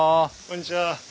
こんにちは。